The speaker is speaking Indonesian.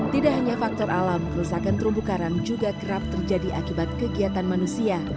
tidak hanya faktor alam kerusakan terumbu karang juga kerap terjadi akibat kegiatan manusia